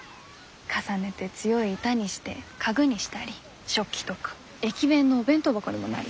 重ねて強い板にして家具にしたり食器とか駅弁のお弁当箱にもなるし。